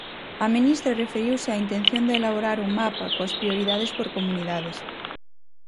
A ministra referiuse á intención de elaborar un "mapa" coas prioridades por comunidades.